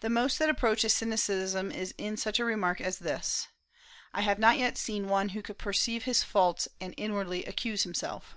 The most that approaches cynicism is in such a remark as this: "I have not yet seen one who could perceive his faults and inwardly accuse himself."